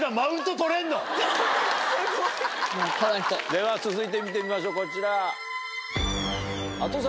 では続いて見てみましょうこちら。